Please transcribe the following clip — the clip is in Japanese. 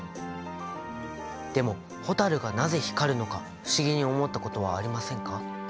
でも蛍がなぜ光るのか不思議に思ったことはありませんか？